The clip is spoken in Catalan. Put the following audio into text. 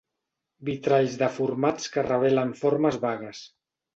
Vitralls deformats que revelen formes vagues.